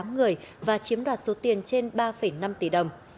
tám người và chiếm đoạt số tiền trên ba năm tỷ đồng